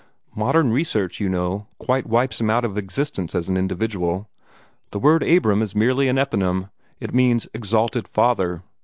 "Modern research, you know, quite wipes him out of existence as an individual. The word 'Abram' is merely an eponym it means 'exalted father.'